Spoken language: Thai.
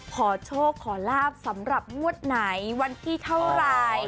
ขอโชคขอลาบสำหรับงวดไหนวันที่เท่าไหร่